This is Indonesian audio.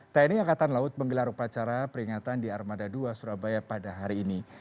tni angkatan laut menggelar upacara peringatan di armada dua surabaya pada hari ini